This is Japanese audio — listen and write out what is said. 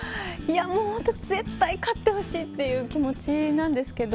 もう本当、絶対勝ってほしいっていう気持ちなんですけど。